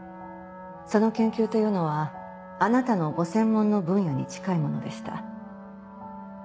その研究というのはあなたのご専門の分野に近いものでした。